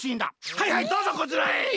はいはいどうぞこちらへ！